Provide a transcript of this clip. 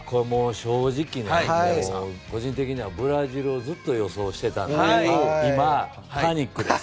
正直、個人的にはブラジルずっと予想していたので今、パニックです。